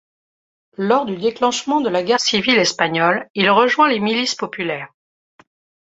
Lors du déclenchement de la guerre civile espagnole il rejoint les Milices populaires.